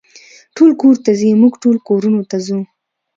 ټول کور ته ځي، موږ ټول کورونو ته ځو.